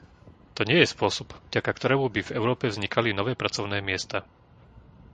To nie je spôsob, vďaka ktorému by v Európe vznikali nové pracovné miesta.